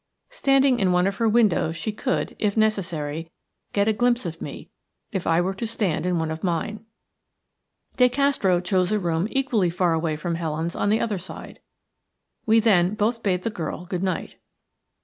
Standing in one of her windows she could, if necessary, get a glimpse of me if I were to stand in one of mine. De Castro chose a room equally far away from Helen's on the other side. We then both bade the girl good night.